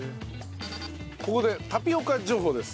ここでタピオカ情報です。